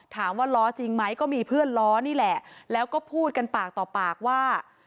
ล้อจริงไหมก็มีเพื่อนล้อนี่แหละแล้วก็พูดกันปากต่อปากว่า